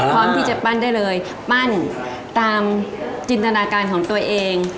พร้อมที่จะปั้นได้เลยปั้นตามจินตนาการของตัวเอง